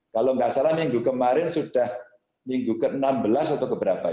kalau nggak salah minggu kemarin sudah minggu ke enam belas atau keberapa